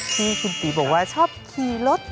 ที่คุณติวิวิวิทย์บอกว่าชอบขี่รถ